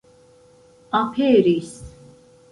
aperis